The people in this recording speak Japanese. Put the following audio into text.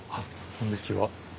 こんにちは。